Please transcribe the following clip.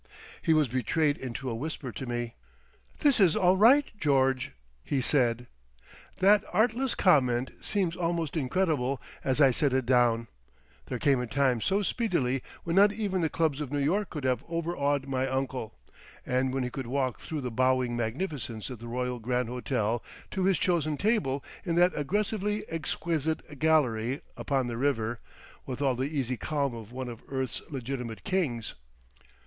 He was betrayed into a whisper to me, "This is all Right, George!" he said. That artless comment seems almost incredible as I set it down; there came a time so speedily when not even the clubs of New York could have overawed my uncle, and when he could walk through the bowing magnificence of the Royal Grand Hotel to his chosen table in that aggressively exquisite gallery upon the river, with all the easy calm of one of earth's legitimate kings.